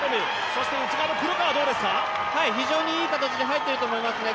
黒川選手、非常にいい形で入ってると思いますね